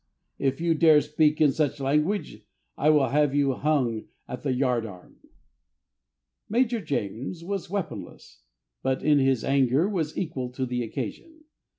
If you dare speak in such language, I will have you hung at the yard arm." Major James was weaponless, but in his anger was equal to the occasion.